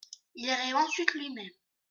Il arrive ensuite lui-même.